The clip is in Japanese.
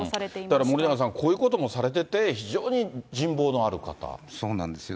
だから森永さん、こういうこともされていて、そうなんですよ。